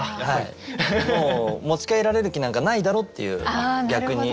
もう持ち帰られる気なんかないだろっていう逆に。